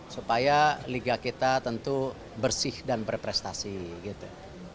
supaya liga kita tentu bersih dan berprestasi gitu